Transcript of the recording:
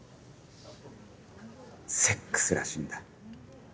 セックスらしいんだ。